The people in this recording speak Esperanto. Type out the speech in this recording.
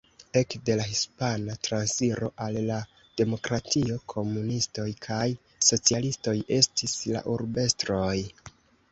Ekde la Hispana Transiro al la Demokratio komunistoj kaj socialistoj estis la urbestroj.